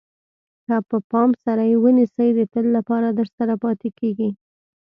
که په پام سره یې ونیسئ د تل لپاره درسره پاتې کېږي.